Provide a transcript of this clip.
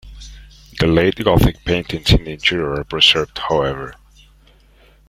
The late Gothic paintings in the interior are preserved however.